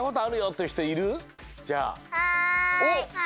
はい。